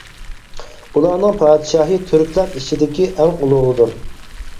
ئۇلارنىڭ پادىشاھى تۈركلەر ئىچىدىكى ئەڭ ئۇلۇغىدۇر.